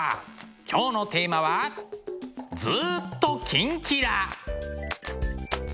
今日のテーマは「ずーっとキンキラ★」！